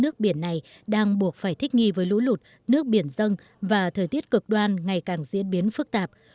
nước biển này đang buộc phải thích nghi với lũ lụt nước biển dân và thời tiết cực đoan ngày càng diễn biến phức tạp